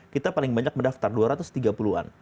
kita paling banyak mendaftar dua ratus tiga puluh an